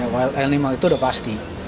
wild animal itu udah pasti